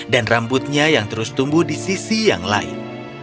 dan rambutnya yang terus tumbuh di sisi yang lain